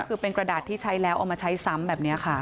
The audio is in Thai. คือเป็นกระดาษที่ใช้แล้วเอามาใช้ซ้ำแบบนี้ค่ะ